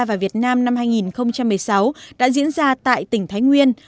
tuần văn hóa malaysia indonesia và việt nam năm hai nghìn một mươi sáu đã diễn ra tại tỉnh thái nguyên